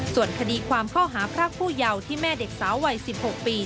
ส่วนคดีความข้อหาพรากผู้เยาว์ที่แม่เด็กสาววัย๑๖ปี